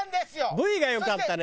Ｖがよかったね。